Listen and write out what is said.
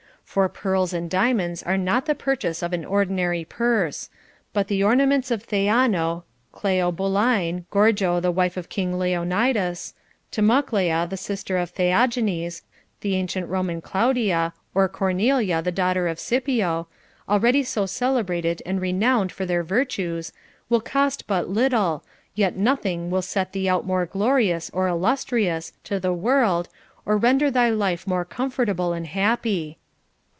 For pearls and diamonds are not the purchase of an ordinary purse ; but the ornaments of Theano, Cleobuline, Gorgo the wife of King Leonidas, Timoclea the sister of Theagenes, the ancient Roman Claudia, or Cornelia the daughter of Scipio, — alreadv so celebrated and renowned for their virtues, — will cos,, but little, yet nothing will set thee out more glorious or illustrious to the world, or render thy life more comfortable and happy.